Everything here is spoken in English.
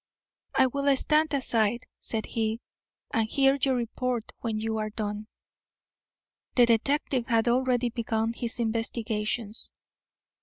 "I will stand aside," said he, "and hear your report when you are done." The detective had already begun his investigations.